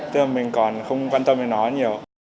tức là mình còn không quan tâm đến nó nhiều